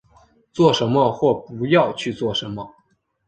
做什么或不要去做什么